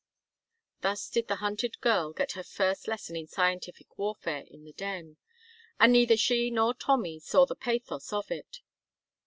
'" Thus did the hunted girl get her first lesson in scientific warfare in the Den, and neither she nor Tommy saw the pathos of it.